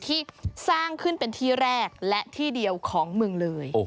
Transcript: ที่สร้างขึ้นเป็นที่แรกและที่เดียวของเมืองเลย